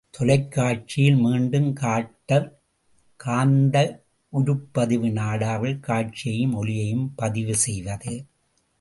தொலைக்காட்சியில் மீண்டும் காட்டக் காந்த உருப்பதிவு நாடாவில் காட்சியையும் ஒலியையும் பதிவு செய்வது.